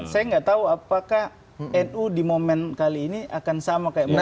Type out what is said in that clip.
saya nggak tahu apakah nu di momen kali ini akan sama kayak monas